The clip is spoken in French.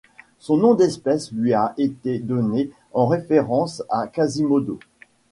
Son nom d'espèce lui a été donné en référence à Quasimodo.